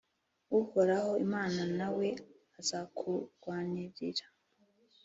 Uhoraho Imana na we azakurwanirira